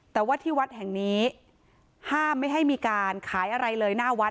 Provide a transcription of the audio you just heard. แต่ว่าที่วัดแห่งนี้ห้ามไม่ให้มีการขายอะไรเลยหน้าวัด